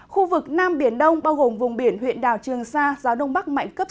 khu vực nam biển đông bao gồm vùng biển huyện đảo trường sa gió nông bắc mạnh cấp sáu